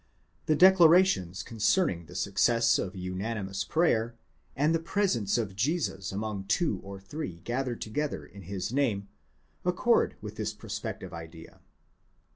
The declarations concerning the success of unanimous prayer, and the presence of Jesus among two or three gathered together in his name, accord with this prospective idea.